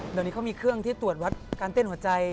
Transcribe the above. เดี๋ยวนี้เขามีเครื่องที่ตรวจวัดการเต้นหัวใจ